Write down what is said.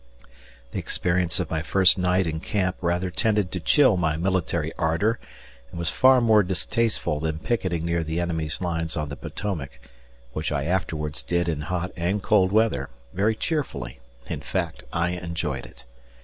The experience of my first night in camp rather tended to chill my military ardor and was far more distasteful than picketing near the enemy's lines on the Potomac, which I afterwards did in hot and cold weather, very cheerfully; in fact I enjoyed it.